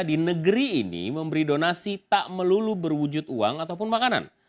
di negeri ini memberi donasi tak melulu berwujud uang ataupun makanan